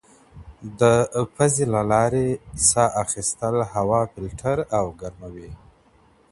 د پوزې له لارې ساه اخیستل هوا فلټر او ګرموي.